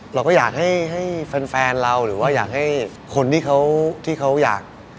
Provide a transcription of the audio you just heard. เราก็อยากให้แฟนเราหรือว่าอยากให้คนที่เขาอยาก